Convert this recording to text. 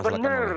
ini tidak benar